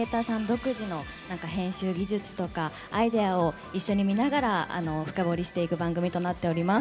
独自の編集技術とかアイデアを一緒に見ながら深掘りしていく番組となっております。